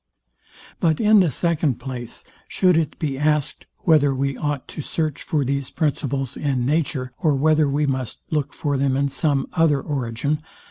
But in the second place, should it be asked, Whether we ought to search for these principles in nature, or whether we must look for them in some other origin?